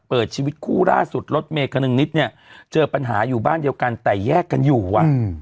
ชีวิตคู่ล่าสุดรถเมย์คนึงนิดเนี่ยเจอปัญหาอยู่บ้านเดียวกันแต่แยกกันอยู่อ่ะ